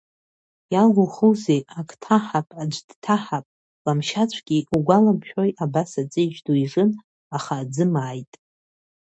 Иалухузеи, ак ҭаҳап, аӡә дҭаҳап, Ламшьаҵәгьы, иугәаламшәои, абас аҵеиџь ду ижын, аха аӡы мааит.